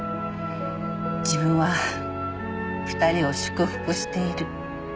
自分は２人を祝福している。